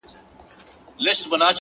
o له څه مودې ترخ يم خـــوابــــدې هغه ـ